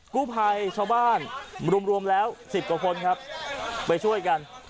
กู้ภัยชาวบ้านรวมแล้ว๑๐กว่าคนครับไปช่วยกัน